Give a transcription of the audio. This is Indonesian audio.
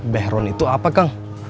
behron itu apa kang